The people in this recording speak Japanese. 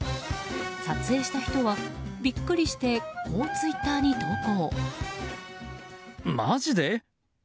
撮影した人は、ビックリしてこうツイッターに投稿。